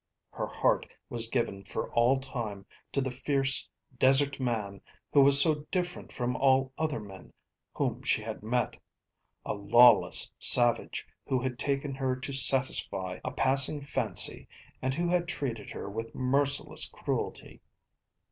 Her heart was given for all time to the fierce desert man who was so different from all other men whom she had met, a lawless savage who had taken her to satisfy a passing fancy and who had treated her with merciless cruelty.